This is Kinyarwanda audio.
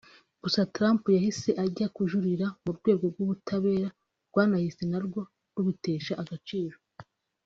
gusa Trump yahise ajya kujuririra mu rwego rw’ubutabera rwanahise narwo rubitesha agaciro